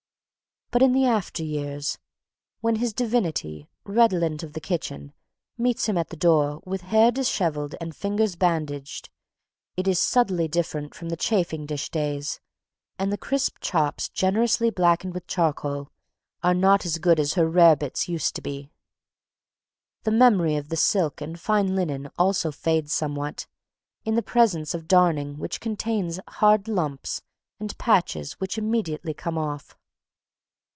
But in the after years, when his divinity, redolent of the kitchen, meets him at the door, with hair dishevelled and fingers bandaged, it is subtly different from the chafing dish days, and the crisp chops, generously black with charcoal, are not as good as her rarebits used to be. The memory of the silk and fine linen also fades somewhat, in the presence of darning which contains hard lumps and patches which immediately come off.